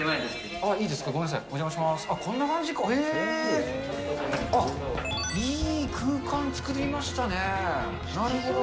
あっ、いい空間、作りましたね。